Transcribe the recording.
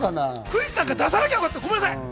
クイズなんか出さなきゃよかった！